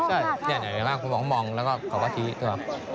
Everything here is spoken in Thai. ใช่ครับแดดอย่างงี้มากมองแล้วก็เขาก็ชี้ตัว